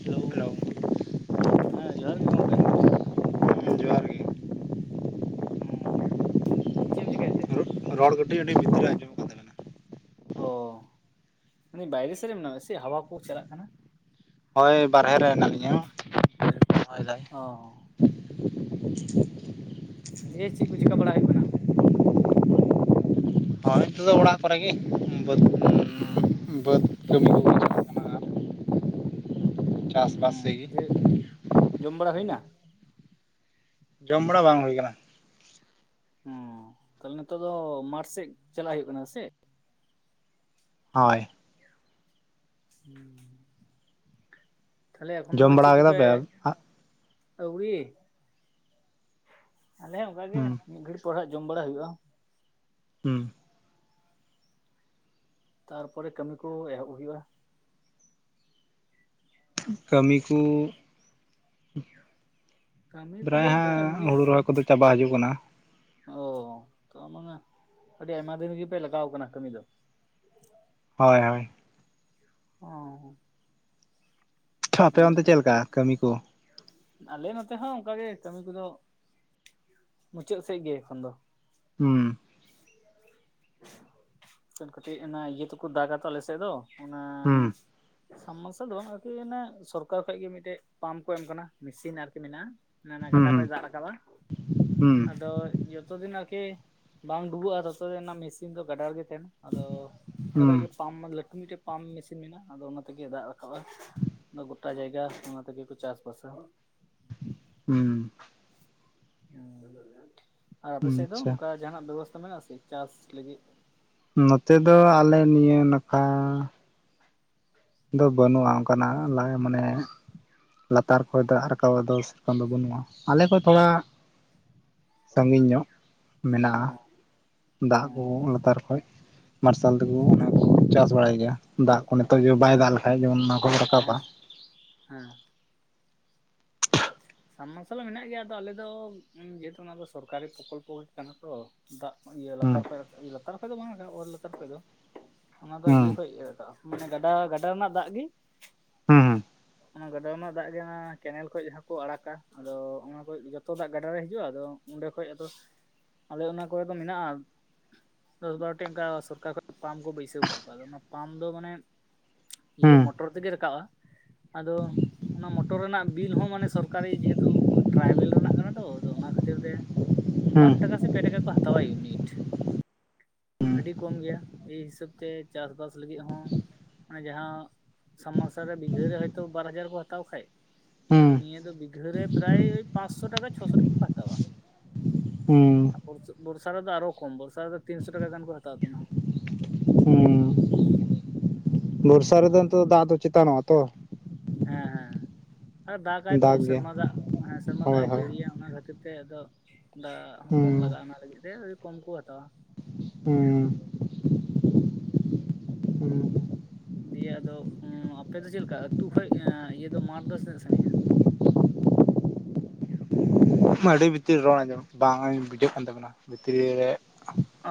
Hello ᱦᱮᱸ ᱡᱚᱦᱟᱨ ᱜᱮ ᱜᱚᱢᱠᱮ ᱡᱚᱦᱟᱨ ᱜᱮ ᱦᱚᱸ ᱪᱮᱫ ᱮᱢ ᱪᱮᱠᱟᱭᱮᱫ ᱛᱮ ᱨᱚᱲ ᱠᱟᱹᱴᱤᱡ ᱟᱹᱰᱤ ᱵᱷᱤᱛᱤᱨ ᱟᱸᱡᱚᱢᱚᱜ ᱠᱟᱱ ᱛᱟᱵᱮᱱᱟ ᱚᱻ ᱢᱟᱱᱮ ᱵᱟᱭᱨᱮ ᱥᱮᱫ ᱨᱮ ᱢᱮᱱᱟᱥᱮᱫ ᱦᱟᱣᱟ ᱠᱚ ᱪᱟᱞᱟᱜ ᱠᱟᱱᱟ᱾ ᱦᱳᱭ ᱵᱟᱨᱦᱮ ᱨᱮ ᱦᱮᱱᱟᱜ ᱞᱤᱧᱟ ᱦᱚᱸ ᱡᱮ ᱪᱮᱫ ᱠᱚ ᱪᱮᱠᱟ ᱵᱟᱲᱟ ᱦᱩᱭᱩᱜ ᱠᱟᱱᱟ᱾ ᱦᱳᱭ ᱱᱤᱛᱚᱜ ᱫᱚ ᱚᱲᱟᱜ ᱠᱚᱨᱮ ᱜᱮ ᱵᱟᱹᱛ ᱦᱮᱸ ᱵᱟᱹᱫᱽ ᱠᱟᱹᱢᱤ ᱠᱚ [unintelligible] ᱦᱮᱸ ᱨᱮᱜᱮ ᱡᱮ ᱡᱚᱢ ᱵᱟᱲᱟ ᱦᱩᱭᱱᱟ ᱡᱚᱢ ᱵᱟᱲᱟ ᱵᱟᱝ ᱦᱩᱭ ᱟᱠᱟᱱᱟ᱾ ᱦᱚᱸ ᱛᱟᱦᱞᱮ ᱱᱤᱛᱚᱜ ᱫᱚ ᱢᱟᱴᱷ ᱥᱮᱫ ᱪᱟᱞᱟᱜ ᱦᱩᱭᱩᱜ ᱠᱟᱱᱟ ᱥᱮ ᱪᱮᱜ ᱦᱳᱭ ᱦᱮᱸ ᱛᱟᱦᱞᱮ ᱮᱠᱷᱚᱱ ᱫᱚ ᱡᱚᱢ ᱪᱮᱫ ᱵᱟᱲᱟ ᱠᱮᱫᱟ ᱠᱚᱯᱮ ᱯᱮ ᱟᱹᱣᱲᱤ ᱟᱞᱮ ᱦᱚᱸ ᱚᱱᱠᱟ ᱜᱮ ᱦᱩᱸ ᱢᱤᱫ ᱜᱷᱟᱹᱲᱤᱡ ᱯᱚᱨᱮ ᱦᱟᱸᱜ ᱡᱚᱢ ᱵᱟᱲᱟ ᱦᱩᱭᱩᱜᱼᱟ᱾ ᱦᱩᱸ ᱛᱟᱨᱯᱚᱨᱮ ᱠᱟᱹᱢᱤ ᱠᱚ ᱮᱦᱚᱵ ᱦᱩᱭᱩᱜᱼᱟ᱾ ᱠᱟᱹᱢᱤ ᱠᱚ ᱠᱟᱹᱢᱤ ᱠᱚ ᱯᱨᱟᱭ ᱵᱚᱞᱛᱮ ᱦᱟᱸᱜ ᱮᱢᱱᱤ ᱦᱩᱲᱩ ᱨᱚᱦᱚᱭ ᱠᱚᱫᱚ ᱪᱟᱵᱟ ᱦᱤᱡᱩᱜ ᱠᱟᱱᱟ᱾ ᱚ ᱛᱚ ᱢᱟᱱᱮ ᱟᱹᱰᱤ ᱟᱭᱢᱟ ᱫᱤᱱ ᱨᱤᱜᱤ ᱯᱮ ᱞᱟᱜᱟᱣ ᱠᱟᱱᱟ ᱠᱟᱹᱢᱤ ᱫᱚ ᱦᱳᱭ ᱦᱳᱭ ᱚᱸᱻ ᱟᱯᱮ ᱚᱱᱛᱮ ᱪᱮᱫ ᱜᱮ ᱞᱮᱠᱟ ᱠᱟᱹᱢᱤ ᱠᱚ ᱟᱞᱮ ᱱᱚᱛᱮ ᱦᱚᱸ ᱚᱱᱠᱟᱜ ᱜᱮ ᱠᱟᱹᱢᱤ ᱠᱚᱫᱚ ᱢᱩᱪᱟᱹᱫ ᱥᱮᱫ ᱜᱮ ᱮᱠᱷᱚᱱ ᱫᱚ ᱦᱩᱸ [unintelligible] ᱠᱟᱹᱴᱤᱡ ᱚᱱᱟ ᱤᱭᱟᱹ ᱛᱮᱠᱚ ᱫᱟᱜᱟ ᱛᱚ ᱟᱞᱮ ᱥᱮᱫ ᱫᱚ ᱚᱱᱟ ᱦᱩᱸ ᱥᱟᱢᱟᱨᱥᱟᱞ ᱫᱚ ᱟᱨᱠᱤ ᱚᱱᱮ ᱥᱚᱨᱠᱟᱨ ᱠᱷᱚᱡ ᱜᱮ ᱢᱤᱫᱴᱮᱡ ᱯᱟᱢᱯ ᱠᱚ ᱮᱢ ᱠᱟᱱᱟ ᱢᱮᱥᱤᱱ ᱟᱨᱠᱤ ᱢᱮᱱᱟᱜᱼᱟ ᱚᱱᱟ ᱦᱩᱸ ᱜᱟᱰᱟ ᱠᱷᱚᱱ ᱫᱟᱜ ᱨᱟᱠᱟᱵᱟ ᱦᱩᱸ ᱟᱫᱚ ᱡᱚᱛᱚ ᱫᱤᱱ ᱟᱨᱠᱤ ᱵᱟᱝ ᱰᱩᱵᱟᱹᱜᱼᱟ ᱛᱚᱛᱚ ᱫᱤᱱ ᱢᱮᱥᱤᱱ ᱫᱚ ᱜᱟᱰᱟᱨ ᱜᱮ ᱛᱟᱦᱮᱱᱟ᱾ ᱟᱫᱚ ᱚᱸᱰᱮ ᱦᱩᱸ ᱠᱷᱚᱡᱜ ᱯᱟᱢ ᱞᱟᱹᱴᱩ ᱢᱤᱫᱴᱮᱡ ᱯᱟᱢᱯ ᱢᱮᱥᱤᱱ ᱢᱮᱱᱟᱜᱼᱟ ᱟᱫᱚ ᱚᱱᱟᱛᱮᱜᱮ ᱫᱟᱜ ᱨᱟᱠᱟᱵᱼᱟ᱾ ᱜᱳᱚᱴᱟ ᱡᱟᱭᱜᱟ ᱚᱱᱟ ᱛᱮᱜᱮᱠᱚ ᱪᱟᱥ ᱵᱟᱥᱟ᱾ ᱦᱩᱸ᱾ ᱦᱩᱸ, ᱟᱨ ᱟᱯᱮ ᱦᱩᱸ ᱥᱮᱫ ᱫᱚ ᱟᱪᱪᱷᱟ ᱱᱚᱝᱠᱟ ᱡᱟᱦᱟᱸᱱᱟᱜ ᱵᱮᱵᱚᱥᱛᱟ ᱢᱮᱱᱟᱜᱼᱟ ᱥᱮ ᱪᱟᱥ ᱞᱟᱹᱜᱤᱫ? ᱱᱚᱛᱮ ᱫᱚ ᱟᱞᱮ ᱱᱤᱭᱟᱹ ᱱᱟᱠᱷᱟ [unintelligible] ᱫᱚ ᱵᱟᱹᱱᱩᱜᱼᱟ ᱚᱱᱠᱟᱱᱟᱜ ᱞᱟᱹᱭ ᱢᱟᱱᱮ ᱞᱟᱛᱟᱨ ᱠᱷᱚᱡ ᱫᱟᱜ ᱨᱟᱠᱟᱵᱟᱜ ᱫᱚ ᱥᱮᱨᱚᱠᱚᱢ ᱫᱚ ᱵᱟᱹᱱᱩᱜᱼᱟ, ᱟᱞᱮ ᱠᱷᱚᱡ ᱛᱷᱚᱲᱟ ᱥᱟᱹᱜᱤᱧ ᱧᱚᱜ ᱚ ᱢᱮᱱᱟᱜᱼᱟ᱾ ᱫᱟᱜ ᱠᱚ ᱦᱮᱸ ᱞᱟᱛᱟᱨ ᱠᱷᱚᱡ ᱢᱟᱨᱥᱟᱞ ᱛᱮᱠᱚ ᱚᱱᱟᱠᱚ ᱪᱟᱥ ᱵᱟᱲᱟᱭ ᱜᱮᱭᱟ ᱫᱟᱜ ᱠᱚ ᱱᱤᱛᱚᱜ ᱡᱩᱫᱤ ᱵᱟᱭ ᱫᱟᱜ ᱞᱮᱠᱷᱟᱡ ᱡᱮᱢᱚᱱ ᱚᱱᱟ ᱠᱚ ᱦᱮᱸ ᱨᱟᱠᱟᱵᱟ᱾ ᱦᱮᱸ ᱦᱮᱸ᱾ ᱥᱟᱵᱽᱢᱟᱨᱥᱟᱞ ᱦᱚᱸ ᱢᱮᱱᱟᱜ ᱜᱮᱭᱟ, ᱟᱫᱚ ᱟᱞᱮ ᱫᱚ ᱡᱮᱦᱮᱛᱩ ᱚᱱᱟ ᱫᱚ ᱥᱚᱨᱠᱟᱨᱤ ᱯᱨᱚᱠᱚᱞᱯᱚ ᱜᱮ ᱠᱟᱱᱟ ᱛᱚ ᱫᱟᱜ ᱤᱭᱟᱹ ᱦᱩᱸ ᱞᱟᱛᱟᱨ ᱠᱷᱚᱡ ᱞᱟᱛᱟᱨ ᱠᱷᱚᱡ ᱫᱚ ᱵᱟᱝᱼᱟ ᱚᱛ ᱞᱟᱛᱟᱨ ᱠᱷᱚᱡ ᱫᱚ ᱚᱱᱟ ᱫᱚ ᱦᱩᱸ ᱤᱭᱟᱹ ᱠᱷᱚᱡ ᱤᱭᱟᱹ ᱨᱟᱠᱟᱜᱼᱟ ᱢᱟᱱᱮ ᱜᱟᱰᱟ ᱜᱟᱰᱟ ᱨᱮᱱᱟᱜ ᱫᱟᱜ ᱜᱤ ᱦᱩᱸ ᱚᱱᱟ ᱜᱟᱰᱟ ᱨᱮᱱᱟᱜ ᱫᱟᱜ ᱜᱮ ᱚᱱᱟ ᱠᱮᱱᱮᱞ ᱠᱷᱚᱱ ᱡᱟᱦᱟᱸ ᱠᱚ ᱟᱲᱟᱜᱟ ᱟᱫᱚ ᱚᱱᱟ ᱠᱚ ᱡᱚᱛᱚ ᱫᱟᱜ ᱜᱟᱰᱟ ᱨᱮ ᱦᱤᱡᱩᱜᱼᱟ, ᱟᱫᱚ ᱚᱸᱰᱮ ᱠᱷᱚᱡ ᱟᱫᱚ ᱟᱞᱮ ᱚᱱᱟ ᱠᱚᱨᱮ ᱫᱚ ᱢᱮᱱᱟᱜᱼᱟ ᱫᱚᱥ ᱵᱟᱨᱚᱴᱤ ᱚᱱᱠᱟ ᱥᱚᱨᱠᱟᱨ ᱠᱷᱚᱡ ᱯᱟᱢᱯ ᱠᱚ ᱵᱟᱹᱭᱥᱟᱹᱣ ᱠᱟᱸᱜ ᱠᱚᱣᱟ, ᱟᱫᱚ ᱚᱱᱟ ᱯᱟᱢᱯ ᱫᱚ ᱢᱟᱱᱮ ᱤᱭᱟᱹ ᱦᱩᱸ ᱢᱚᱴᱚᱨ ᱛᱮᱜᱮ ᱨᱟᱠᱟᱵᱼᱟ, ᱟᱫᱚ ᱚᱱᱟ ᱢᱚᱴᱚᱨ ᱨᱮᱱᱟᱜ ᱵᱤᱞ ᱦᱚᱸ ᱢᱟᱱᱮ ᱥᱚᱨᱠᱟᱨᱤ ᱡᱮᱦᱮᱛᱩ ᱴᱨᱟᱭᱵᱮᱞ ᱨᱮᱱᱟᱜ ᱠᱟᱱᱟ ᱛᱚ, ᱟᱫᱚ ᱚᱱᱟ ᱠᱷᱟᱹᱛᱤᱨ ᱛᱮ ᱵᱟᱨ ᱴᱟᱠᱟ ᱥᱮ ᱯᱮ ᱴᱟᱠᱟ ᱠᱚ ᱦᱟᱛᱟᱣᱟ ᱤᱭᱩᱱᱤᱴ᱾ ᱟᱹᱰᱤ ᱠᱚᱢ ᱜᱮᱭᱟ, ᱮᱭ ᱦᱤᱥᱟᱹᱵ ᱛᱮ ᱪᱟᱥᱵᱟᱥ ᱞᱟᱹᱜᱤᱫ ᱦᱚᱸ ᱢᱟᱱᱮ ᱡᱟᱦᱟᱸ ᱥᱟᱵᱽᱢᱟᱨᱥᱟᱞ ᱨᱮ ᱵᱤᱜᱷᱟᱹ ᱨᱮ ᱦᱳᱭᱛᱚ ᱵᱟᱨ ᱦᱟᱡᱟᱨ ᱠᱚ ᱦᱟᱛᱟᱣ ᱠᱷᱟᱡ, ᱦᱩᱸ ᱟᱫᱚ ᱱᱤᱭᱟᱹ ᱵᱤᱜᱷᱟᱹ ᱨᱮ ᱯᱨᱟᱭ ᱯᱟᱸᱪᱥᱚ ᱴᱟᱠᱟ ᱪᱷᱚᱥᱚ ᱴᱟᱠᱟ ᱦᱟᱛᱟᱣᱟ᱾ ᱦᱩᱸ ᱦᱩᱸ ᱵᱚᱨᱥᱟ ᱨᱮ ᱫᱚ ᱟᱨᱚ ᱠᱚᱢ ᱵᱚᱨᱥᱟ ᱨᱮ ᱫᱚ ᱛᱤᱱᱥᱚ ᱴᱟᱠᱟ ᱜᱟᱱ ᱠᱚ ᱦᱟᱛᱟᱣ ᱛᱟᱢᱟ᱾ ᱦᱩᱸ ᱵᱚᱨᱥᱟ ᱨᱮᱫᱚ ᱟᱨ ᱱᱤᱛᱚᱜ ᱫᱚ ᱫᱟᱜ ᱫᱚ ᱪᱮᱛᱟᱱᱚᱜᱼᱟ ᱛᱚ? ᱦᱮᱸ ᱦᱮᱸ᱾ ᱟᱨ ᱫᱟᱜᱟᱭ ᱛᱚ ᱫᱟᱜ ᱜᱮ ᱥᱮᱨᱢᱟ ᱫᱟᱜ ᱦᱮᱸ ᱥᱮᱨᱢᱟ ᱫᱟᱜ ᱦᱳᱭ ᱮ ᱦᱳᱭ ᱡᱟᱹᱲᱤᱭᱟ ᱚᱱᱟ ᱠᱷᱟᱹᱛᱤᱨ ᱛᱮ ᱛᱮ ᱟᱫᱚ ᱫᱟᱜ ᱦᱚᱸ ᱦᱩᱸ ᱠᱚᱢ ᱞᱟᱜᱟᱼᱟ ᱚᱱᱟ ᱞᱟᱹᱜᱤᱫ ᱛᱮ, ᱠᱚᱢ ᱠᱚ ᱦᱟᱛᱟᱣᱟ᱾ ᱦᱩᱸ᱾ ᱦᱩᱸ ᱫᱤᱭᱮ ᱟᱫᱚ ᱟᱯᱮ ᱫᱚ ᱪᱮᱫᱞᱮᱠᱟ ᱟᱹᱛᱩ ᱠᱷᱚᱡ ᱤᱭᱟᱹ ᱫᱚ ᱢᱟᱴᱷ ᱫᱚ ᱛᱱᱟᱹᱜ ᱥᱟᱺᱜᱤᱧᱼᱟ? ᱟᱹᱰᱤ ᱵᱷᱤᱛᱤᱨ ᱨᱮ ᱨᱚᱲ ᱟᱸᱡᱚᱢ ᱵᱟᱝ ᱵᱩᱡᱷᱟᱹᱜ ᱠᱟᱱ ᱛᱟᱵᱤᱱᱟ ᱵᱷᱤᱛᱨᱤ ᱨᱮ?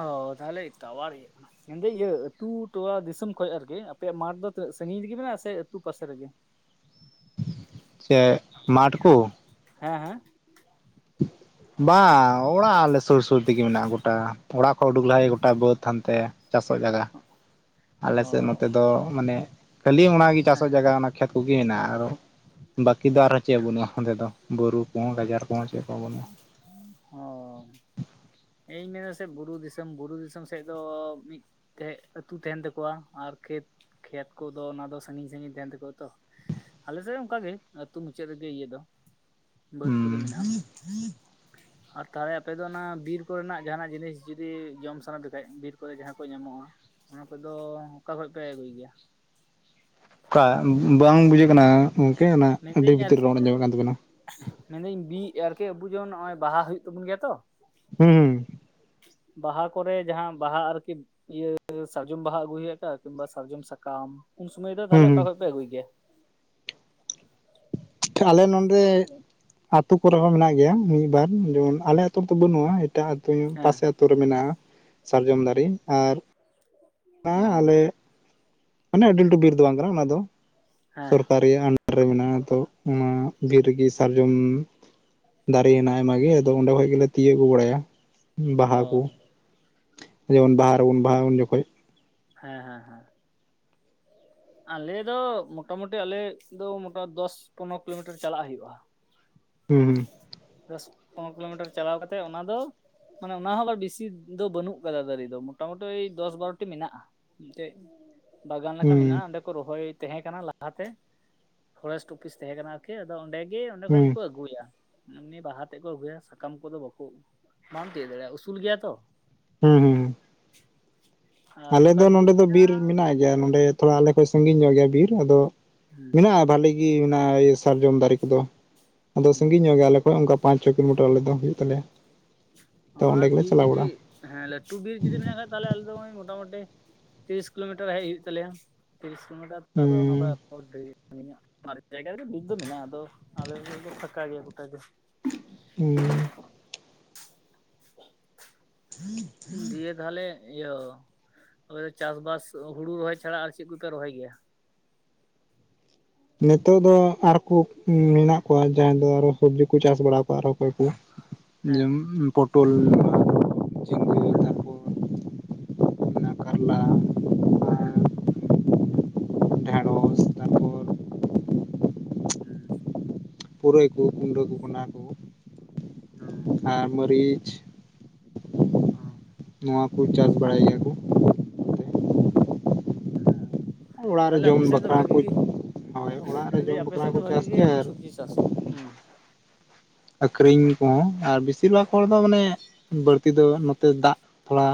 ᱚᱻ ᱛᱟᱦᱟᱞᱮ ᱴᱟᱹᱣᱟᱨ ᱤᱭᱟᱹ᱾ ᱢᱮᱱᱫᱟᱹᱧ ᱤᱭᱟᱹ ᱟᱹᱛᱩ ᱴᱚᱞᱟ ᱫᱤᱥᱚᱢ ᱠᱷᱚᱡ ᱟᱨᱠᱤ ᱟᱯᱮᱭᱟᱜ ᱢᱟᱴᱷ ᱫᱚ ᱛᱤᱱᱟᱹᱜ ᱥᱟᱺᱜᱤᱧ ᱨᱮᱜᱮ ᱢᱮᱱᱟᱜᱼᱟ ᱥᱮ ᱟᱹᱛᱩ ᱯᱟᱥᱮ ᱨᱮᱜᱮ? [inaudible] [unintelligible] ᱢᱟᱴ ᱠᱚ? ᱦᱮᱸ ᱦᱮᱸ᱾ ᱵᱟᱝ, ᱚᱸᱲᱟᱜ ᱟᱞᱮ ᱥᱩᱨ ᱥᱩᱨ ᱛᱮᱜᱮ ᱢᱮᱱᱟᱜᱼᱟ ᱜᱚᱴᱟ ᱚᱸᱲᱟᱜ ᱠᱷᱚᱡ ᱩᱰᱩᱠ ᱞᱟᱦᱟ ᱜᱮ ᱜᱚᱴᱟ ᱵᱟᱹᱫᱽ ᱦᱟᱱᱛᱮ ᱪᱟᱥᱚᱜ ᱡᱟᱭᱜᱟ ᱚ ᱟᱞᱮᱥᱮᱫ ᱱᱚᱛᱮ ᱫᱚ ᱢᱟᱱᱮ ᱠᱷᱟᱹᱞᱤ ᱚᱱᱟᱜᱮ ᱦᱮᱸ ᱪᱟᱥᱚᱜ ᱡᱟᱭᱜᱟ ᱠᱷᱮᱛ ᱠᱚᱜᱮ ᱦᱮᱱᱟᱜᱼᱟ ᱟᱨᱚ ᱵᱟᱹᱠᱤ ᱫᱚ ᱟᱨᱦᱚᱸ ᱪᱮᱫ ᱦᱚᱸ ᱵᱟᱹᱱᱩᱜᱼᱟ ᱚᱸᱰᱮ ᱫᱚ ᱵᱩᱨᱩ ᱠᱚ ᱜᱟᱡᱟᱲ ᱠᱚ [unintelligible] ᱚ᱾ ᱤᱧ ᱢᱮᱱᱫᱟ ᱥᱮ ᱵᱩᱨᱩ ᱫᱤᱥᱚᱢ ᱵᱩᱨᱩ ᱫᱤᱥᱚᱢ ᱥᱮᱫ ᱫᱚ ᱢᱤᱫ ᱛᱮᱜ ᱟᱹᱛᱩ ᱛᱟᱦᱮᱸᱱ ᱛᱟᱠᱚᱣᱟ ᱟᱨ ᱠᱷᱮᱛ ᱠᱷᱮᱛ ᱠᱚᱫᱚ ᱚᱱᱟ ᱫᱚ ᱥᱟᱺᱜᱤᱧ ᱥᱟᱺᱜᱤᱧ ᱛᱟᱦᱮᱸᱱ ᱛᱟᱠᱚᱣᱟ ᱛᱚ, ᱟᱞᱮᱥᱮᱫ ᱦᱚᱸ ᱚᱱᱠᱟᱜᱮ ᱟᱹᱛᱩ ᱢᱩᱪᱟᱹᱫ ᱨᱮᱜᱮ ᱤᱭᱟᱹ ᱫᱚ ᱵᱟᱹᱫᱽ ᱠᱚᱫᱚ ᱦᱩᱸ ᱢᱮᱱᱟᱜᱼᱟ᱾ᱟᱨ ᱛᱟᱦᱟᱞᱮ ᱟᱯᱮ ᱫᱚ ᱚᱱᱟ ᱵᱤᱨ ᱠᱚᱨᱮᱱᱟᱜ ᱡᱟᱦᱟᱸᱱᱟᱜ ᱡᱤᱱᱤᱥ ᱡᱩᱫᱤ ᱡᱚᱢ ᱥᱟᱱᱟ ᱯᱮ ᱠᱷᱟᱡ ᱵᱤᱨ ᱠᱚᱨᱮ ᱡᱟᱦᱟᱸ ᱠᱚ ᱧᱟᱢᱚᱜᱼᱟ, ᱚᱱᱟ ᱠᱚᱫᱚ ᱚᱠᱟ ᱠᱷᱚᱡ ᱯᱮ ᱟᱹᱜᱩᱭ ᱜᱮᱭᱟ? ᱠᱟ ᱵᱟᱝ ᱵᱩᱡᱷᱟᱹᱜ ᱠᱟᱱᱟ᱾ ᱚᱱᱟ ᱟᱹᱰᱤ ᱢᱮᱱᱫᱟᱹᱧ ᱵᱷᱤᱛᱤᱨ ᱟᱨᱠᱤ ᱨᱚᱲ ᱟᱸᱡᱚᱢᱚᱜ ᱠᱟᱱ ᱛᱟᱵᱮᱱᱟ ᱢᱮᱱᱫᱟᱹᱧ ᱵᱤ ᱟᱨᱠᱤ ᱟᱵᱚ ᱡᱮᱢᱚᱱ ᱱᱚᱜᱼᱚᱭ ᱵᱟᱦᱟ ᱦᱩᱭᱩᱜ ᱛᱟᱵᱚᱱ ᱜᱮᱭᱟ ᱛᱚ, ᱦᱩᱸ᱾ ᱵᱟᱦᱟ ᱠᱚᱨᱮ ᱡᱟᱦᱟᱸ ᱵᱟᱦᱟ ᱟᱨᱠᱤ ᱤᱭᱟᱹ ᱥᱟᱨᱡᱚᱢ ᱵᱟᱦᱟ ᱟᱹᱜᱩ ᱦᱩᱭᱩᱜ ᱠᱤᱢᱵᱟ ᱥᱟᱨᱡᱚᱢ ᱥᱟᱠᱟᱢ ᱩᱱ ᱥᱩᱢᱟᱹᱭ ᱫᱚ ᱦᱩᱸ ᱛᱟᱦᱞᱮ ᱚᱠᱟ ᱦᱩᱸ ᱠᱷᱚᱱᱚᱡ ᱯᱮ ᱟᱹᱜᱩᱭ ᱜᱮᱭᱟ? ᱟᱞᱮ ᱱᱚᱰᱮ ᱟᱛᱳ ᱠᱚᱨᱮ ᱦᱚᱸ ᱢᱮᱱᱟᱜ ᱜᱮᱭᱟ, ᱢᱤᱫ ᱵᱟᱨ ᱡᱮᱢᱚᱱ ᱟᱞᱮ ᱟᱹᱛᱩᱳ ᱨᱮᱫᱚ ᱵᱟᱹᱱᱩᱜᱼᱟ, ᱮᱴᱟᱜ ᱟᱹᱛᱩ ᱦᱮᱸ ᱯᱟᱥᱮ ᱟᱛᱩᱨ ᱨᱮ ᱢᱮᱱᱟᱜᱼᱟ ᱥᱟᱨᱡᱚᱢ ᱫᱟᱨᱮ, ᱟᱨ ᱚ ᱟᱞᱮ ᱢᱟᱱᱮ ᱟᱹᱰᱤ ᱞᱟᱹᱴᱩ ᱵᱤᱨ ᱫᱚ ᱵᱟᱝ ᱠᱟᱱᱟ ᱚᱱᱟ ᱫᱚ ᱦᱮᱸ ᱥᱚᱨᱠᱟᱨ ᱨᱮᱭᱟᱜ ᱟᱱᱰᱟᱨ ᱨᱮ ᱢᱮᱱᱟᱜᱼᱟ ᱛᱚ ᱚᱱᱟ ᱵᱤᱨ ᱨᱮᱜᱮ ᱥᱟᱨᱡᱚᱢ ᱫᱟᱨᱮ ᱦᱮᱸᱱᱟᱜ ᱟᱭᱢᱟ ᱜᱮ ᱟᱫᱚ ᱚᱸᱰᱮ ᱠᱷᱚᱡ ᱜᱮᱞᱮ ᱛᱤᱭᱳᱜ ᱟᱹᱜᱩ ᱵᱟᱲᱟᱭᱟ᱾ ᱚ ᱵᱟᱦᱟ ᱠᱩ ᱡᱮᱢᱚᱱ ᱵᱟᱦᱟ ᱨᱮᱵᱚᱱ ᱵᱟᱦᱟᱜᱼᱟ ᱩᱱ ᱡᱚᱠᱷᱚᱡ᱾ ᱦᱮᱸ ᱦᱮᱸ ᱦᱮᱸ᱾ ᱟᱞᱮ ᱫᱚ ᱢᱚᱴᱟ ᱢᱩᱴᱤ ᱟᱞᱮ ᱫᱚ ᱢᱚᱴᱟ ᱫᱚᱥ ᱯᱚᱱᱨᱚ ᱠᱤᱞᱳᱢᱤᱴᱟᱨ ᱪᱟᱞᱟᱜ ᱦᱩᱭᱩᱜᱼᱟ᱾ ᱦᱩᱸ ᱦᱩᱸ᱾ ᱫᱚᱥ ᱯᱚᱱᱨᱚ ᱠᱤᱞᱳᱢᱤᱴᱟᱨ ᱪᱟᱞᱟᱣ ᱠᱟᱛᱮᱫ ᱚᱱᱟ ᱫᱚ ᱢᱟᱱᱮ ᱚᱱᱟ ᱦᱚᱸ ᱵᱤᱥᱤ ᱫᱚ ᱵᱟᱹᱱᱩᱜ ᱠᱟᱫᱟ ᱫᱟᱨᱮ ᱫᱚ ᱢᱚᱴᱟ ᱢᱩᱴᱤ ᱫᱚᱥ ᱵᱟᱨᱚᱴᱤ ᱢᱮᱱᱟᱜᱼᱟ᱾ ᱢᱤᱜᱴᱮᱡ ᱵᱟᱜᱟᱱ ᱞᱮᱠᱟ ᱦᱩᱸ ᱢᱮᱱᱟᱜᱼᱟ ᱚᱸᱰᱮᱠᱩ ᱨᱚᱦᱚᱭ ᱛᱟᱦᱮᱸ ᱠᱟᱱᱟ ᱞᱟᱦᱟᱛᱮ ᱯᱷᱚᱨᱮᱥᱴ ᱚᱯᱷᱤᱥ ᱛᱟᱦᱮᱸ ᱠᱟᱱᱟ᱾ ᱠᱮ ᱟᱫᱚ ᱚᱸᱰᱮ ᱜᱮ ᱚᱸᱰᱮ ᱠᱷᱚᱡ ᱦᱩᱸ ᱜᱮ ᱠᱚ ᱟᱹᱜᱩᱭᱟ ᱮᱢᱱᱤ ᱵᱟᱦᱟ ᱛᱮᱫ ᱠᱚ ᱟᱹᱜᱩᱭᱟ ᱥᱟᱠᱟᱢ ᱠᱚᱫᱚ ᱵᱟᱠᱚ ᱵᱟᱢ ᱛᱤᱭᱳ ᱫᱟᱲᱮᱭᱟᱜᱼᱟ ᱩᱥᱩᱞ ᱜᱮᱭᱟ ᱛᱚ, ᱦᱩᱸ ᱦᱩᱸ᱾ [inaudible] ᱟᱨ ᱟᱞᱮ ᱱᱚᱝᱠᱟ ᱫᱚ ᱱᱚᱸᱰᱮ ᱫᱚ ᱦᱮᱸ ᱵᱤᱨ ᱢᱮᱱᱟᱜ ᱜᱮᱭᱟ ᱱᱚᱸᱰᱮ ᱛᱷᱚᱲᱟ ᱟᱞᱮ ᱠᱷᱚᱡ ᱥᱜᱤᱧ ᱧᱚᱜ ᱜᱮᱭᱟ ᱵᱤᱨ, ᱟᱫᱚ ᱢᱮᱱᱟᱜᱼᱟ ᱵᱷᱟᱹᱞᱤ ᱜᱮ ᱢᱮᱱᱟᱜᱼᱟ ᱥᱟᱨᱡᱚᱢ ᱫᱟᱨᱮ ᱠᱚᱫᱚ ᱟᱫᱚ ᱥᱟᱺᱜᱤᱧ ᱧᱚᱜ ᱜᱮᱭᱟ ᱟᱞᱮ ᱦᱳᱜ ᱚᱱᱠᱟ ᱯᱟᱸᱪ ᱪᱷᱚ ᱠᱤᱞᱳᱢᱤᱴᱟᱨ ᱟᱞᱮ ᱫᱚ ᱦᱩᱭᱩᱜ ᱛᱟᱞᱮᱭᱟ᱾ ᱛᱚ ᱟᱨ ᱚᱸᱰᱮ ᱜᱮᱞᱮ ᱵᱤᱨ ᱪᱟᱞᱟᱣ ᱡᱩᱫᱤ ᱵᱟᱲᱟᱜᱼᱟ ᱦᱮᱸ ᱞᱟᱹᱴᱩ ᱵᱤᱨ ᱡᱩᱫᱤ ᱢᱮᱱᱟᱜ ᱠᱷᱟᱡ ᱛᱟᱦᱚᱞᱮ ᱟᱞᱮ ᱫᱚ ᱱᱚᱭ ᱢᱚᱴᱟ ᱢᱩᱴᱟ-ᱢᱩᱴᱤ ᱛᱤᱨᱤᱥ ᱠᱤᱞᱳᱢᱤᱴᱟᱨ ᱦᱮᱡ ᱦᱩᱭᱩᱜ ᱛᱟᱞᱮᱭᱟ ᱛᱤᱨᱤᱥ ᱠᱤᱞᱳᱢᱤᱴᱟᱨ ᱛᱟᱯᱚᱨ ᱚᱱᱟ ᱠᱷᱚᱡ ᱦᱩᱸ ᱢᱚᱴᱟ-ᱢᱩᱴᱤ ᱢᱟᱨᱮ ᱡᱟᱭᱜᱟ ᱨᱮᱫᱚ ᱵᱤᱨ ᱫᱚ ᱢᱮᱱᱟᱜᱼᱟ ᱟᱫᱚ ᱟᱞᱮ ᱥᱮᱫ ᱫᱚ ᱯᱷᱟᱸᱠᱟ ᱜᱮᱭᱟ ᱜᱚᱴᱟᱜᱮ᱾ ᱦᱩᱸ᱾ [inaudible] ᱦᱮᱸ ᱦᱮᱸ ᱫᱤᱭᱮ ᱛᱟᱦᱚᱞᱮ ᱤᱭᱟᱹ ᱛᱚᱵᱮ ᱪᱟᱥ ᱵᱟᱥ ᱦᱩᱲᱩ ᱨᱚᱦᱚᱭ ᱪᱷᱟᱲᱟ ᱟᱨ ᱪᱮᱫ ᱠᱚᱯᱮ ᱨᱚᱦᱚᱭ ᱜᱮᱭᱟ? ᱱᱤᱛᱚᱜ ᱫᱚ ᱟᱨᱠᱩ ᱢᱮᱱᱟᱜ ᱠᱚᱣᱟ ᱡᱟᱦᱟᱸᱭ ᱫᱚ ᱟᱨᱚ ᱥᱚᱵᱡᱤ ᱠᱚ ᱪᱟᱥ ᱵᱟᱲᱟᱣ ᱠᱟᱜᱼᱟ ᱟᱨᱚᱸ ᱚᱠᱚᱭ ᱠᱚ ᱦᱮᱸ ᱡᱮᱢᱚᱱ ᱯᱚᱴᱳᱞ ᱦᱮᱸᱱᱟᱜᱼᱟ᱾ ᱢᱮᱱᱟᱜ ᱠᱟᱨᱞᱟ ᱟᱨ [unintelligible] ᱰᱷᱮᱸᱲᱚᱥ ᱛᱟᱨᱯᱚᱨ ᱦᱩᱸ ᱯᱩᱨᱟᱹᱭ ᱠᱚ ᱠᱩᱢᱲᱟᱹ ᱠᱚ ᱠᱟᱱᱟ ᱠᱚ᱾ ᱦᱩᱸ ᱟᱨ ᱢᱟᱹᱨᱤᱪ [unintelligible] ᱱᱚᱣᱟ ᱠᱚ ᱪᱟᱥ ᱵᱟᱲᱟᱭ ᱜᱮᱭᱟ ᱠᱚ᱾ [unintelligible] ᱚᱲᱟᱜ ᱨᱮ ᱛᱟᱦᱞᱮ ᱡᱚᱢ ᱟᱯᱮ ᱥᱮᱫ ᱫᱚ ᱵᱟᱠᱷᱨᱟ ᱵᱷᱟᱜᱤ ᱠᱚ ᱜᱮ ᱦᱳᱭ ᱚᱲᱟᱜ ᱨᱮ ᱢᱮᱱᱫᱟᱹᱧ ᱡᱚᱢ ᱟᱯᱮ ᱵᱟᱠᱷᱨᱟ ᱥᱮᱫ ᱠᱚ ᱫᱚ ᱵᱷᱟᱹᱜᱤ ᱪᱟᱥ ᱜᱮᱭᱟ ᱜᱮ ᱟᱨ ᱥᱚᱵᱡᱤ ᱪᱟᱥ᱾ ᱦᱩᱸ ᱟ. ᱠᱷᱨᱤᱧ ᱠᱚᱦᱚᱸ ᱟᱨ ᱵᱤᱥᱤᱨ ᱵᱷᱟᱜᱽ ᱦᱚᱲ ᱫᱚ ᱢᱟᱱᱮ᱾ ᱵᱟᱹᱲᱛᱤ ᱫᱚ ᱱᱚᱛᱮ ᱫᱟᱜ ᱛᱷᱚᱲᱟ᱾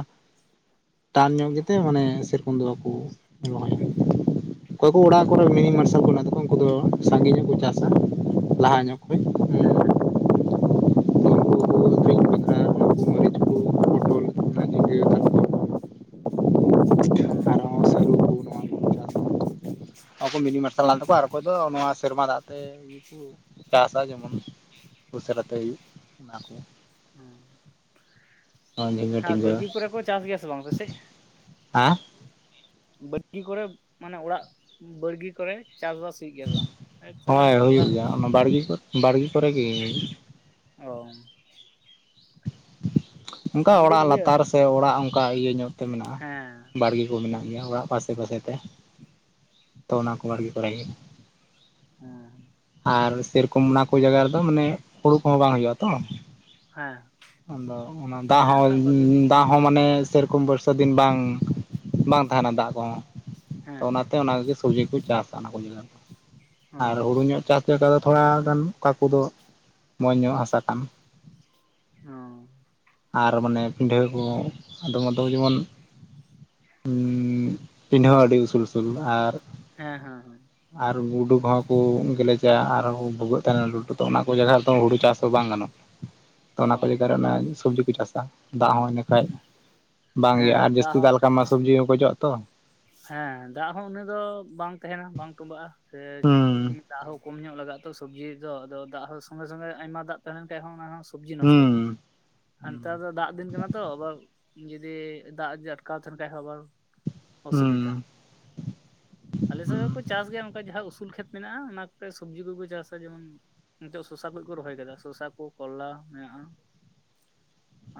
ᱴᱟᱱ ᱧᱚᱜ ᱜᱮᱛᱮ ᱢᱟᱱᱮ ᱥᱮᱨᱚᱠᱚᱢ ᱫᱚ ᱵᱟᱠᱚ ᱨᱚᱦᱚᱭᱼᱟ᱾ ᱚᱠᱚᱭ ᱠᱚ ᱚᱲᱟᱜ ᱠᱚᱨᱮ ᱢᱤᱱᱤ ᱢᱟᱨᱥᱟᱞ ᱠᱚ ᱢᱮᱱᱟᱜ ᱛᱟᱠᱚᱣᱟ ᱩᱱᱠᱩ ᱫᱚ ᱥᱟᱸᱜᱮ ᱧᱚᱜ ᱠᱚ ᱪᱟᱥᱼᱟ ᱞᱟᱦᱟ ᱧᱚᱜ ᱠᱷᱚᱪ᱾ [unintelligible] ᱯᱚᱴᱚᱞ [unintelligible] ᱚᱸ [unintelligible] ᱚᱠᱚ ᱢᱤᱱᱤ ᱢᱟᱨᱥᱟᱞ ᱦᱮᱱᱟᱜ ᱛᱟᱠᱚᱣᱟ ᱟᱨ ᱚᱠᱚᱭ ᱫᱚ ᱱᱚᱣᱟ ᱥᱮᱨᱢᱟ ᱫᱟᱜ ᱛᱮ᱾ ᱪᱟᱥᱼᱟ ᱡᱮᱢᱚᱱ ᱩᱥᱟᱹᱨᱟᱛᱮ ᱦᱩᱭᱩᱜ ᱚᱱᱟ ᱠᱚ᱾ ᱚᱸ ᱡᱷᱤᱸᱜᱟᱹ ᱟ ᱴᱤᱸᱜᱟᱹ ᱵᱟᱹᱲᱜᱤ ᱠᱚᱨᱮ ᱠᱚ ᱪᱟᱥ ᱜᱮᱭᱟ ᱥᱮ ᱵᱟᱝ ᱟᱯᱮ ᱥᱮᱫ᱾ ᱦᱮᱸ ᱵᱟᱲᱜᱤ ᱠᱚᱨᱮ ᱢᱟᱱᱮ ᱚᱲᱟᱜ ᱵᱟᱲᱜᱤ ᱠᱚᱨᱮ ᱪᱟᱥᱵᱟᱥ᱾ ᱴᱷᱤᱠ ᱜᱮᱭᱟ ᱥᱮ ᱵᱟᱝ ᱛᱷᱚᱲᱟ ᱟᱨᱠᱤ ᱚᱲᱟᱜ᱾ ᱵᱟᱲᱜᱤ ᱠᱚᱨᱮ᱾ ᱵᱟᱲᱜᱮ ᱠᱚᱨᱮ ᱜᱮ᱾ ᱚ ᱚᱱᱠᱟ ᱢᱮᱱᱫᱟᱹᱧ ᱚᱲᱟᱜ ᱤᱭᱟᱹ ᱞᱟᱛᱟᱨ ᱥᱮ ᱚᱲᱟᱜ ᱚᱱᱠᱟ ᱤᱭᱟᱹ ᱧᱚᱜ ᱛᱮ ᱢᱮᱱᱟᱜᱼᱟ ᱦᱮᱸ ᱵᱟᱲᱜᱤ᱾ ᱠᱚ ᱢᱮᱱᱟᱜ ᱜᱮᱭᱟ ᱚᱲᱟᱜ ᱟᱥᱮ ᱯᱟᱥᱮ ᱛᱮ ᱛᱚ ᱚᱱᱟ ᱠᱚ ᱵᱟᱲᱜᱮ ᱠᱚᱨᱮ ᱜᱮ᱾ ᱦᱮᱸ ᱟᱨ ᱥᱮᱨᱚᱠᱚᱢ ᱚᱱᱟ ᱠᱚ ᱡᱟᱭᱜᱟ ᱨᱮᱫᱚ ᱢᱟᱱᱮ ᱦᱩᱲᱩ ᱠᱚᱦᱚᱸ ᱵᱟᱝ ᱦᱩᱭᱩᱜᱼᱟ ᱛᱚ᱾ ᱦᱮᱸ ᱟᱫᱚ ᱚᱱᱟ ᱫᱟᱜ ᱦᱮᱸ ᱦᱚᱸ ᱚᱲᱟᱜ ᱵᱟᱲᱜᱮ ᱫᱟᱜ᱾ ᱦᱚᱸ ᱢᱟᱱᱮ ᱥᱮᱨᱚᱠᱚᱢ ᱵᱚᱨᱥᱟ ᱫᱤᱱ ᱵᱟᱝ ᱵᱟᱝ ᱛᱟᱦᱮᱱᱟ ᱫᱟᱜ ᱠᱚᱦᱚᱸ ᱛᱚ ᱦᱮᱸ ᱚᱱᱟ᱾ ᱚᱱᱟ ᱠᱚᱛᱮ ᱥᱚᱵᱡᱤ ᱠᱚ ᱪᱟᱥᱼᱟ ᱚᱱᱟ ᱠᱚ ᱚ ᱟᱨ ᱦᱩᱲᱩ ᱧᱚᱜ ᱪᱟᱥ ᱞᱮᱠᱟ ᱫᱚ᱾ ᱛᱷᱚᱲᱟᱜᱟᱱ ᱚᱠᱟ ᱠᱚᱫᱚ ᱢᱚᱡᱽ ᱧᱚᱜ ᱦᱟᱥᱟ ᱠᱟᱱ᱾ [unintelligible] ᱟᱨ ᱢᱟᱱᱮ ᱯᱤᱰᱷᱟᱹ ᱠᱚ ᱟᱫᱚᱢ ᱟᱫᱚᱢ ᱡᱮᱢᱚᱱ᱾ ᱦᱩᱸ ᱯᱤᱰᱷᱟᱹ ᱦᱚᱸ ᱟᱹᱰᱤ ᱩᱥᱩᱞᱼ ᱩᱥᱩᱞ ᱟᱨ᱾ ᱦᱮᱸ ᱦᱮᱸ ᱦᱮᱸ ᱟᱨ ᱜᱩᱰᱩ ᱠᱚᱦᱚᱸ ᱠᱚ ᱜᱮᱞᱮᱡᱟ ᱟᱨᱦᱚᱸ ᱠᱚ ᱵᱷᱩᱜᱟᱹᱜ ᱛᱟᱦᱮᱱᱟ ᱞᱟᱹᱴᱩ ᱛᱚ ᱚᱱᱟ ᱠᱚ ᱡᱟᱭᱜᱟ ᱨᱮᱫᱚ ᱦᱩᱲᱩ ᱪᱟᱥ ᱫᱚ ᱵᱟᱝ ᱜᱟᱱᱚᱜᱼᱟ᱾ [unintelligible] ᱛᱚ ᱚᱱᱟ ᱠᱚ ᱡᱟᱭᱜᱟᱮ ᱥᱚᱵᱡᱤ ᱠᱚ ᱪᱟᱥᱟ ᱫᱟᱜ ᱦᱚᱸ᱾ ᱵᱟᱠᱷᱟᱡ ᱵᱟᱝ ᱭᱟ ᱦᱮᱸ ᱟᱨ ᱦᱮᱸ ᱡᱟᱹᱥᱛᱤ ᱦᱚᱸ ᱫᱟᱜ ᱞᱮᱠᱟ ᱢᱟ ᱥᱚᱵᱽᱡᱤ ᱦᱚᱸᱠᱚᱪᱚᱜᱼᱟ ᱛᱚ᱾ ᱦᱮᱸ ᱫᱟᱜ ᱦᱚᱸ ᱩᱱᱤ ᱫᱚ ᱵᱟᱝ ᱛᱟᱦᱮᱱᱟ ᱵᱟᱝ ᱛᱚᱵᱟᱜᱼᱟ ᱥᱮ᱾ ᱦᱩᱸ ᱫᱟᱜᱽ ᱦᱚᱸ ᱠᱚᱢ ᱧᱚᱜ ᱞᱟᱜᱼᱟ ᱛᱚ ᱥᱚᱵᱽᱡᱤ ᱫᱚ ᱟᱫᱚ ᱫᱟᱜᱽ ᱦᱚᱸ ᱥᱚᱸᱜᱮ ᱥᱚᱸᱜᱮ ᱟᱭᱢᱟ ᱫᱟᱜᱽ ᱛᱟᱦᱮᱸ ᱞᱮᱱ ᱠᱷᱟᱭ ᱦᱚᱸ ᱚᱱᱟᱦᱚᱸ ᱥᱚᱵᱽᱡᱤ ᱦᱩᱸ ᱱᱚᱥᱴᱚᱜᱼᱟ᱾ ᱦᱩᱸ ᱱᱮᱛᱟᱨ ᱫᱚ ᱫᱟᱜᱽ ᱫᱤᱱ ᱠᱟᱱᱟ ᱛᱚ ᱟᱵᱟᱨ ᱡᱩᱫᱤ ᱫᱟᱜᱽ ᱡᱩᱫᱤ ᱟᱴᱠᱟᱣ ᱛᱟᱦᱮᱸᱱ ᱠᱷᱟᱭ ᱦᱚᱸ ᱟᱵᱟᱨ ᱚᱥᱩᱵᱤᱫᱷᱟ᱾ ᱦᱩᱸ ᱟᱞᱮᱥᱮᱜ ᱦᱚᱸᱠᱚ ᱪᱟᱥ ᱜᱮᱭᱟ ᱚᱱᱠᱟ ᱡᱟᱦᱟᱸ ᱩᱥᱩᱞ ᱠᱷᱮᱛ ᱢᱮᱱᱟᱜᱼᱟ ᱚᱱᱟ ᱠᱚ ᱥᱚᱵᱽᱡᱤ ᱠᱚᱠᱚ ᱪᱟᱥᱟ ᱡᱮᱢᱚᱱ ᱱᱤᱛᱚᱜ ᱥᱚᱥᱟ ᱠᱚ ᱠᱚ ᱨᱚᱦᱚᱭ ᱠᱟᱫᱟ ᱥᱚᱥᱟ ᱠᱚ ᱠᱚᱨᱞᱟ ᱢᱮᱱᱟᱜᱼᱟ᱾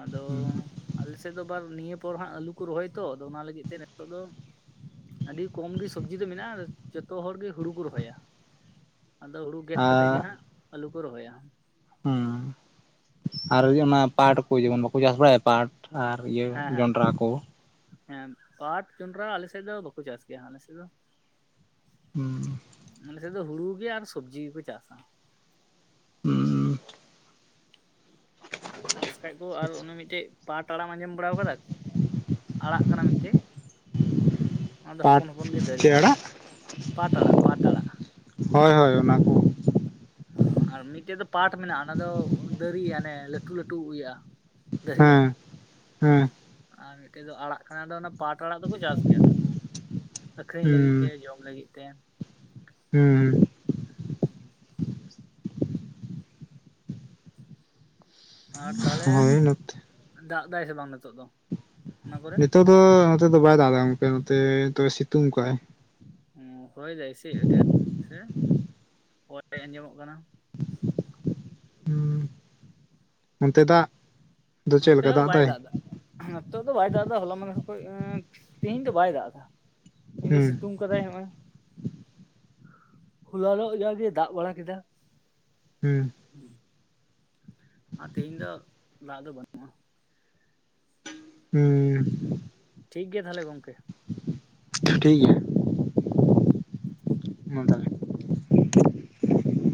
ᱟᱫᱚ ᱦᱩᱸ ᱟᱞᱮ ᱥᱮᱫ ᱫᱚ ᱟᱵᱟᱨ ᱱᱤᱭᱟᱹ ᱯᱚᱨ ᱦᱟᱸᱜ ᱟᱹᱞᱩ ᱠᱚ ᱨᱚᱦᱚᱭ ᱛᱚ ᱟᱫᱚ ᱚᱱᱟ ᱞᱟᱹᱜᱤᱫ ᱛᱮ ᱱᱤᱛᱚᱜ ᱫᱚ ᱟᱹᱰᱤ ᱠᱚᱢ ᱜᱮ ᱥᱚᱵᱽᱡᱤ ᱫᱚ ᱢᱮᱱᱟᱜᱼᱟ ᱡᱚᱛᱚ ᱦᱚᱲ ᱜᱮ ᱦᱩᱲᱩ ᱠᱚ ᱨᱚᱦᱚᱭᱟ᱾ ᱟᱫᱚ ᱦᱩᱲᱩ ᱜᱮᱫ ᱠᱟᱛᱮᱜ ᱜᱮ ᱟᱨ ᱦᱟᱸᱜ ᱟᱞᱩ ᱠᱚ ᱨᱚᱦᱚᱭᱟ᱾ ᱦᱩᱸ ᱟᱨ ᱚᱱᱟ ᱯᱟᱴ ᱠᱚ ᱡᱮᱢᱚᱱ ᱵᱟᱠᱚ ᱪᱟᱥ ᱵᱟᱲᱟᱭᱟ ᱯᱟᱴ? ᱟᱨ ᱤᱭᱟᱹ ᱦᱮᱸ ᱦᱮᱸ ᱡᱚᱸᱰᱨᱟ ᱠᱚ, ᱦᱮᱸ ᱯᱟᱴ ᱡᱚᱱᱰᱨᱟ ᱟᱞᱮᱥᱮᱜ ᱫᱚ ᱵᱟᱠᱚ ᱪᱟᱥ ᱜᱮᱭᱟ᱾ ᱟᱞᱮᱥᱮᱜ ᱫᱚ ᱦᱩᱸ ᱟᱞᱮ ᱥᱮᱜ ᱫᱚ ᱦᱩᱲᱩ ᱜᱮ ᱟᱨ ᱥᱚᱵᱽᱡᱤ ᱜᱮᱠᱚ ᱪᱟᱥᱟ᱾ ᱦᱩᱸᱻ ᱪᱟᱥ ᱠᱷᱟᱭ ᱠᱚ ᱟᱨ ᱚᱱᱟ ᱢᱤᱜᱴᱮᱡ ᱯᱟᱴ ᱟᱲᱟᱜ ᱟᱢ ᱟᱸᱡᱚᱢ ᱵᱟᱲᱟᱣ ᱠᱟᱫᱟ ᱟᱲᱟᱜ ᱠᱟᱱᱟ ᱢᱤᱜᱴᱮᱡ ᱚᱱᱟ ᱫᱚ ᱯᱟᱴ ᱦᱚᱯᱚᱱ ᱦᱚᱯᱚᱱ ᱜᱮ ᱪᱮᱫ ᱫᱟᱹᱨᱤᱜᱼᱟ ᱟᱲᱟᱜ ᱯᱟᱴ ᱟᱲᱟᱜ ᱯᱟᱴ ᱟᱲᱟᱜ᱾ ᱦᱳᱭ ᱦᱳᱭ ᱚᱱᱟ ᱠᱚ, ᱟᱨ ᱢᱤᱜᱴᱮᱡ ᱫᱚ ᱯᱟᱴ ᱢᱮᱱᱟᱜᱼᱟ ᱚᱱᱟ ᱫᱚ ᱫᱟᱹᱨᱤ ᱟᱱᱮ ᱞᱟᱹᱴᱩ ᱞᱟᱹᱴᱩ ᱤᱭᱟᱹᱼᱟ᱾ ᱫᱟᱹᱦᱤᱜᱼᱟ ᱦᱮᱸ ᱦᱮᱸ ᱟᱨ ᱢᱤᱜᱴᱮᱡ ᱫᱚ ᱟᱲᱟᱜ ᱠᱟᱱᱟᱫᱚ ᱚᱱᱟ ᱯᱟᱴ ᱟᱲᱟᱜ ᱫᱚᱠᱚ ᱪᱟᱥ ᱜᱮᱭᱟ ᱟᱠᱷᱨᱤᱧ ᱞᱟᱹᱜᱤᱜ ᱛᱮ ᱡᱚᱢ ᱞᱟᱹᱜᱤᱜ ᱛᱮ, ᱦᱩᱸ ᱦᱩᱸ ᱦᱩᱸ ᱦᱩᱸ᱾ ᱟᱨ ᱛᱟᱦᱚᱞᱮ ᱦᱳᱭ ᱱᱚᱛᱮ ᱫᱟᱜᱽ ᱫᱟᱭ ᱥᱮ ᱵᱟᱝ ᱱᱤᱛᱚᱜ ᱫᱚ? ᱚᱱᱟ ᱠᱚᱨᱮ ᱱᱤᱛᱚᱜ ᱫᱚ ᱱᱚᱛᱮ ᱫᱚ ᱵᱟᱭ ᱫᱟᱜᱽ ᱜᱚᱝᱠᱮ ᱱᱚᱛᱮ ᱫᱚᱭ ᱥᱤᱛᱩᱝ ᱠᱟᱜᱼᱟᱭ᱾ ᱦᱩᱸ ᱦᱚᱭᱫᱟᱭ ᱥᱮ ᱟᱹᱰᱤ ᱟᱸᱴ ᱥᱮ ᱦᱚᱭ ᱟᱸᱡᱚᱢᱚᱜ ᱠᱟᱱᱟ᱾ ᱦᱩᱸ ᱚᱱᱛᱮ ᱫᱟᱜᱽ ᱫᱚ ᱪᱮᱜ ᱱᱚᱛᱮ ᱞᱮᱠᱟ ᱦᱚᱸ ᱫᱟᱜᱽ ᱵᱟᱭ ᱫᱟᱭ? ᱫᱟᱜ ᱮᱫᱟ ᱱᱤᱛᱚᱜ ᱫᱚ ᱵᱟᱭ ᱫᱟᱜᱽ ᱫᱟ ᱦᱚᱞᱟ ᱢᱟᱸᱫᱷᱮᱨ ᱠᱷᱚᱭ ᱟᱸ ᱛᱮᱦᱤᱧ ᱫᱚ ᱵᱟᱭ ᱫᱟᱜᱽ ᱫᱟ ᱮᱢᱱᱮ ᱦᱩᱸ ᱥᱤᱛᱩᱝ ᱠᱟᱫᱟᱭ ᱦᱚᱸᱜᱼᱚᱭ ᱦᱚᱞᱟᱱᱚᱜ ᱡᱟᱜᱮ ᱫᱟᱜᱽ ᱵᱟᱲᱟ ᱠᱮᱫᱟ᱾ ᱦᱩᱸ, ᱦᱩᱸ ᱦᱟᱸ ᱛᱮᱦᱤᱧ ᱫᱚ ᱫᱟᱜᱽ ᱫᱚ ᱵᱟᱱᱩᱜ ᱦᱩᱸ ᱴᱷᱤᱠ ᱜᱮᱭᱟ ᱛᱟᱦᱚᱞᱮ ᱜᱚᱝᱠᱮ, ᱴᱷᱤᱠ ᱜᱮᱭᱟ᱾ ᱢᱟ ᱛᱟᱦᱚᱞᱮ